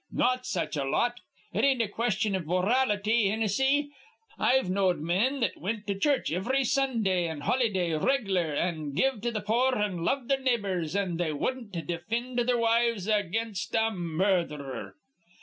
Not such a lot. It ain't a question iv morality, Hinnissy. I've knowed men that wint to church ivry Sundah an' holyday reg'lar, an' give to th' poor an' loved their neighbors, an' they wudden't defind their wives against a murdherer.